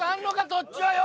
そっちはよ！